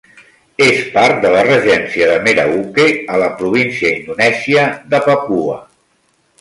És part de la Regència de Merauke, a la província indonèsia de Papua.